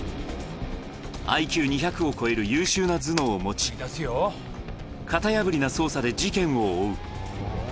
ＩＱ２００を超える優秀な頭脳を持ち、型破りな捜査で事件を追う。